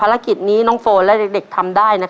ตัวเลือดที่๓ม้าลายกับนกแก้วมาคอ